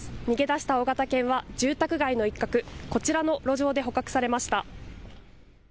逃げ出した大型犬は住宅街の一角、こちらの路上で捕獲されました。